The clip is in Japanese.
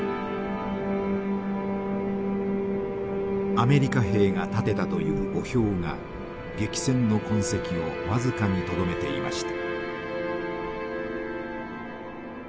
アメリカ兵が建てたという墓標が激戦の痕跡をわずかにとどめていました。